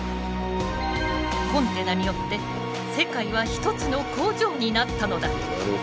コンテナによって世界は１つの工場になったのだ。